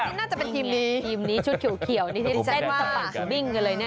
นี่น่าจะเป็นทีมนี้ชุดเขียวที่เต้นปากมิ้งกันเลยนะ